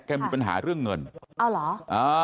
แกมีปัญหาเรื่องเงินอ้าวเหรออ้าว